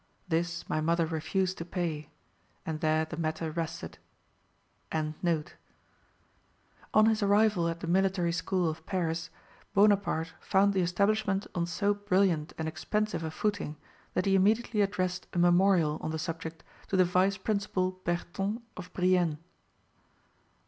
This my mother refused to pay, and there the matter rested.] On his arrival at the Military School of Paris, Bonaparte found the establishment on so brilliant and expensive a footing that he immediately addressed a memorial on the subject to the Vice Principal Berton of Brienne.